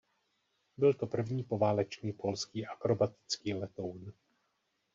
Byl to první poválečný polský akrobatický letoun.